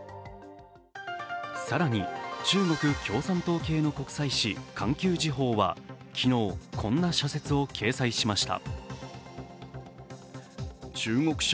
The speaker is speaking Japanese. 更に、中国共産党系の国際誌「環球時報」は昨日こんな社説を掲載しました。